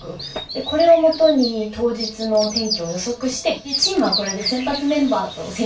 これをもとに当日の天気を予測してチームはこれで先発メンバーと戦略を決めたりもするんですよ。